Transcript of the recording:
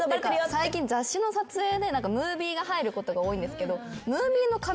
最近雑誌の撮影でムービーが入ることが多いんですけど。